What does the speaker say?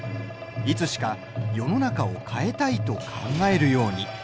いつしか世の中を変えたいと考えるように。